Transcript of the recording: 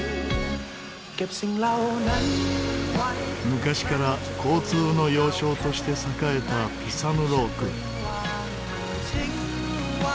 昔から交通の要衝として栄えたピサヌローク。